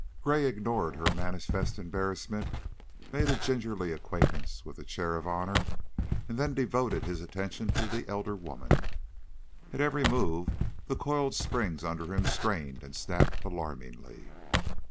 Gray ignored her manifest embarrassment, made a gingerly acquaintance with the chair of honor, and then devoted his attention to the elder woman. At every move the coiled springs under him strained and snapped alarmingly.